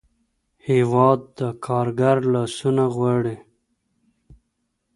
هېواد د کارګر لاسونه غواړي.